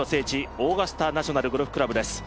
オーガスタ・ナショナル・ゴルフクラブです。